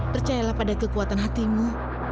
percayalah pada kekuatan hatimu